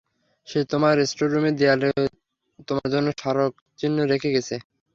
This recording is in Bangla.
সে তোমার স্টোররুমের দেয়ালে তোমর জন্য স্মারকচিহ্ন রেখে গেছে।